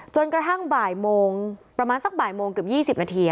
จนกระทั่งบ่ายโมงประมาณสักบ่ายโมงเกือบ๒๐นาที